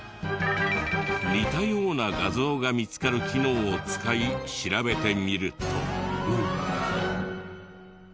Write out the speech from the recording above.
似たような画像が見つかる機能を使い調べてみると。